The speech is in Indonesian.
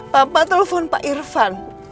papa telpon pak irfan